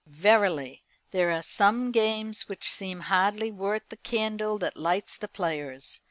Verily there are some games which seem hardly worth the candle that lights the players.